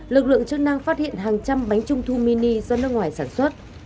lực lượng chức năng phát hiện hàng trăm bánh trung thu mini do nước ngoài sản xuất